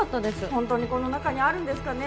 ホントにこの中にあるんですかね？